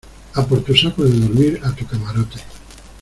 a por tu saco de dormir a tu camarote.